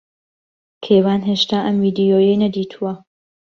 کەیوان ھێشتا ئەم ڤیدیۆیەی نەدیتووە.